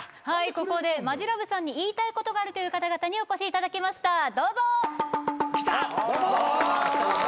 ここでマヂラブさんに言いたいことがあるという方々にお越しいただきましたどうぞ。来た！